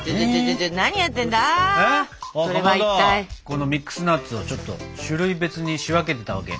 このミックスナッツをちょっと種類別に仕分けてたわけ。